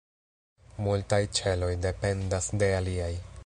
Multaj ĉeloj dependas de aliaj.